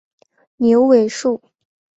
牛尾树